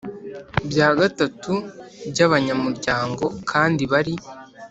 Bya gatatu by abanyamuryango kandi bari